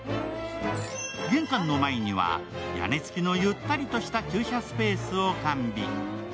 玄関の前には屋根付きのゆったりとした駐車スペースを完備。